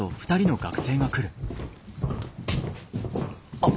あっ。